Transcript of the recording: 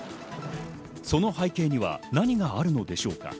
その背景には何があるのでしょうか。